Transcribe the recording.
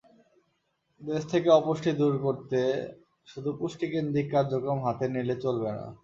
দেশ থেকে অপুষ্টি দূর করতে শুধু পুষ্টিকেন্দ্রিক কার্যক্রম হাতে নিলে চলবে না।